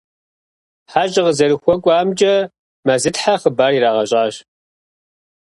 ХьэщӀэ къазэрыхуэкӀуамкӀэ Мэзытхьэ хъыбар ирагъэщӀащ.